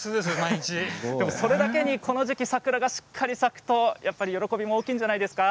それだけにこの時期桜がしっかり咲くと喜びも大きいんじゃないですか。